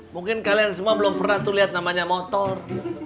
mungkin kalian semua belum pernah tuh lihat namanya motor